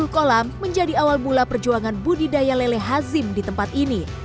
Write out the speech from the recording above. sepuluh kolam menjadi awal mula perjuangan budidaya lele hazim di tempat ini